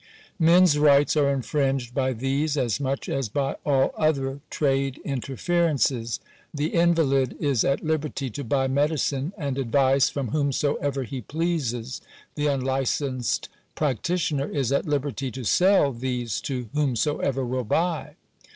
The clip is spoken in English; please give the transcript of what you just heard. Men's rights are infringed by these, as much as by all other trade interferences. The invalid is at liberty to buy medicine and advice from whomso ever he pleases ; the unlicensed practitioner is at liberty to sell these to whomsoever will buy.